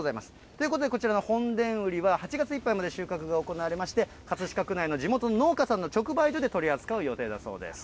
ということでこちらの本田ウリは、８月いっぱいまで収穫が行われまして、葛飾区内の地元の農家さんの直売所で取り扱う予定だそうです。